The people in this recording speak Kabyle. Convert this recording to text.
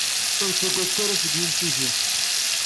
Ur ttaggadet ara seg yimsujji.